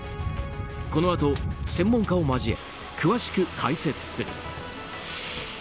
このあと専門家を交え、詳しく解説する。